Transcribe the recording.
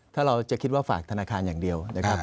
ถ้าเราจะคิดว่าฝากธนาคารอย่างเดียวนะครับ